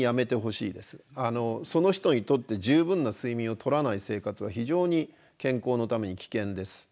その人にとって十分な睡眠をとらない生活は非常に健康のために危険です。